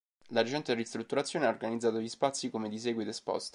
La recente ristrutturazione ha organizzato gli spazi come di seguito esposto.